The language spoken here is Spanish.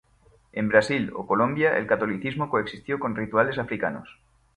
En Brasil o Colombia, el catolicismo coexistió con rituales africanos.